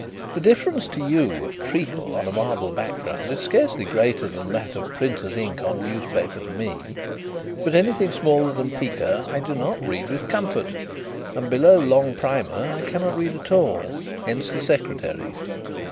"The difference to you of treacle on a marble background is scarcely greater than that of printers' ink on newspaper to me. But anything smaller than pica I do not read with comfort, and below long primer I cannot read at all. Hence the secretary.